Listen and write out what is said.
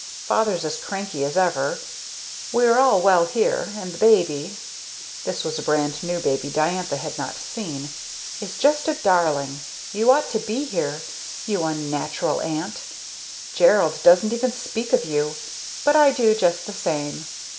Father's as cranky as ever. We are all well here and the baby (this was a brand new baby Diantha had not seen) is just a Darling! You ought to be here, you unnatural Aunt! Gerald doesn't ever speak of you but I do just the same.